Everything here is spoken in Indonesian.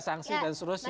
sanksi dan sebagainya